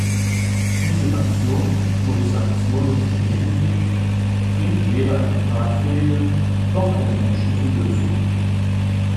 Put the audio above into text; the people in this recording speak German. Diese Nation durch Sanktionen zu demütigen, bringt weder eine tragfähige noch eine menschliche Lösung.